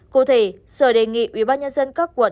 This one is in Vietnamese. cụ thể sở đề nghị ubnd các quận